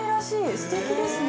すてきですね。